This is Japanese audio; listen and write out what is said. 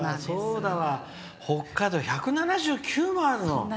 北海道、１７９もあるの。